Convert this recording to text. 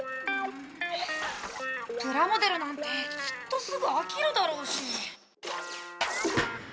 プラモデルなんてきっとすぐ飽きるだろうし。